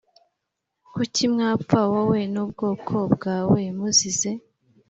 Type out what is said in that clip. Kuki mwapfa wowe n ubwoko bwawe muzize